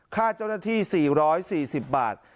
ค่าเจ้าหน้าที่๔๔๐บาท